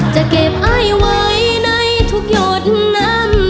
จะเก็บไอไว้ในทุกหยดนั้น